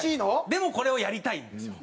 でもこれをやりたいんですよ。